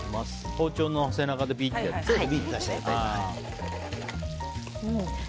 包丁の背中でビッとやってね。